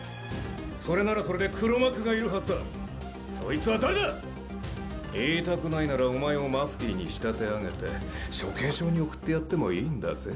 それならそれで黒幕がいそいつは誰だ⁉言いたくないならお前をマフティーに仕立て上げて処刑場に送ってやってもいいんだぜ？